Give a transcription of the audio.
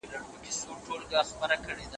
براون وايي چی اقتصادي وده بدلونونو ته اړتیا لري.